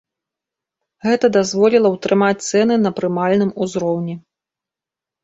Гэта дазволіла ўтрымаць цэны на прымальным узроўні.